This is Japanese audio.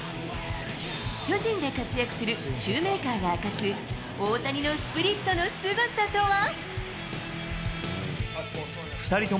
巨人で活躍するシューメーカーが明かす、大谷のスプリットのすごさとは。